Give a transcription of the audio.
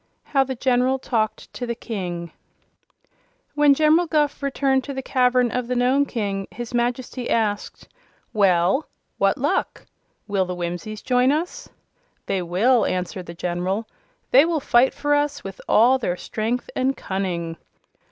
13. How the General Talked to the King When General Guph returned to the cavern of the Nome King his Majesty asked: "Well, what luck? Will the Whimsies join us?" "They will," answered the General. "They will fight for us with all their strength and cunning."